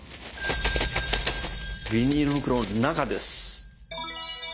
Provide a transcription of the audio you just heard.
ビニール袋の中です。